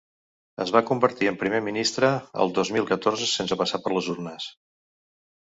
Es va convertir en primer ministre el dos mil catorze sense passar per les urnes.